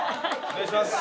お願いします。